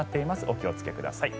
お気をつけください。